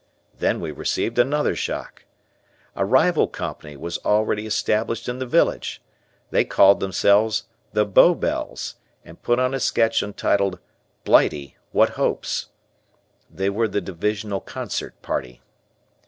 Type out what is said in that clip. Then we received another shock. A rival company was already established in the village. They called themselves "The Bow Bells," and put on a sketch entitled 'Blighty What Hopes?' They were the Divisional Concert Party.